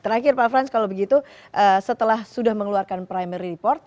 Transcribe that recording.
terakhir pak frans kalau begitu setelah sudah mengeluarkan primary report